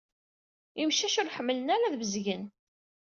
Imcac ur ḥemmlen ara ad bezyen.